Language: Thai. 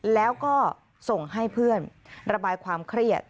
แล้วก็ส่งให้เพื่อนระบายความเครียด